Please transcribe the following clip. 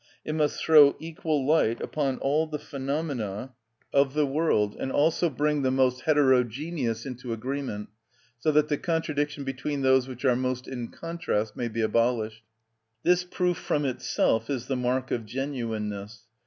It must throw equal light upon all the phenomena of the world, and also bring the most heterogeneous into agreement, so that the contradiction between those which are most in contrast may be abolished. This proof from itself is the mark of genuineness.